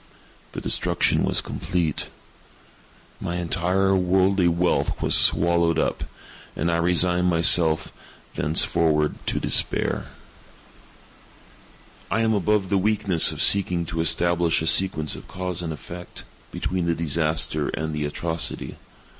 The destruction was complete. My entire worldly wealth was swallowed up, and I resigned myself thenceforward to despair. I am above the weakness of seeking to establish a sequence of cause and effect, between the disaster and the atrocity.